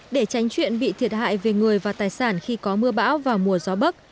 để tránh chuyện bị thiệt hại về người và tài sản khi có mưa bão và mùa gió bấc